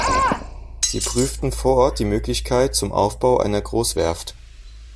Sie prüften vor Ort die Möglichkeiten zum Aufbau einer Großwerft.